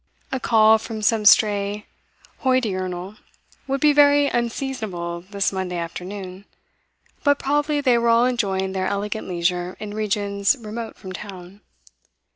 A call from some stray Hodiernal would be very unseasonable this Monday afternoon; but probably they were all enjoying their elegant leisure in regions remote from town.